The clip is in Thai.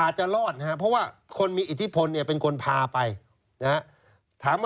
อาจจะรอดนะครับเพราะว่าคนมีอิทธิพลเนี่ยเป็นคนพาไปนะฮะถามว่า